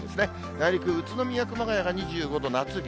内陸、宇都宮、熊谷が２５度、夏日。